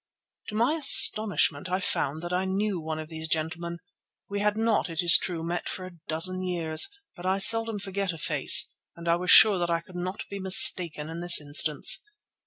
To my astonishment I found that I knew one of these gentlemen. We had not, it is true, met for a dozen years; but I seldom forget a face, and I was sure that I could not be mistaken in this instance.